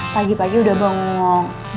pagi pagi udah bangung